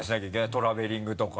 トラベリングとか。